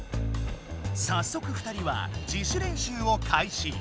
さっそく２人は自主練習をかいし！